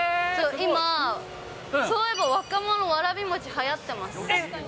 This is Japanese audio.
今、そういえば若者、わらび餅はやってます。